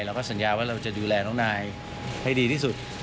เราก็สัญญาว่าเราจะดูแลน้องนายให้ดีที่สุด